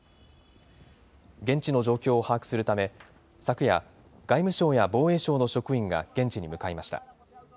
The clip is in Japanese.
現地の状況を把握するため、昨夜、外務省や防衛省の職員が現地に向かいました。